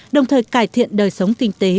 đồng thời cải thiện đời sống kinh tế